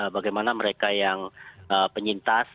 bagaimana mereka yang penyintas